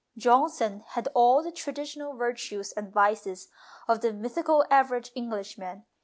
Johnson had all the traditional virtues and vices of the mythical average Englishman.